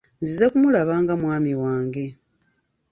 Nzize kumulaba nga mwami wange.